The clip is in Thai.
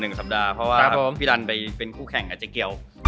เพราะว่าพี่ดันไปเป็นคู่แข่งกับเจ๊เกียว